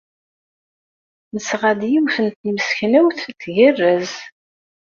Nesɣa-d yiwet n temseknewt tgerrez.